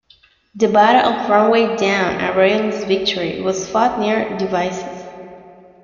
The Battle of Roundway Down, a Royalist victory, was fought near Devizes.